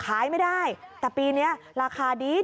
ขายไม่ได้แต่ปีนี้ราคาดี